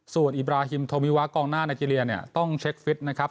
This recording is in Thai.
ส่วนอิบราฮิมโทมิวะกองหน้าไนเจรียเนี่ยต้องเช็คฟิตนะครับ